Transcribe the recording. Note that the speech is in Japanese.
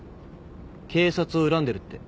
警察を恨んでるって。